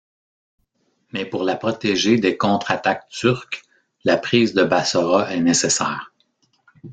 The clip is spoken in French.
Mais pour la protéger des contre-attaques turques, la prise de Bassora est nécessaire.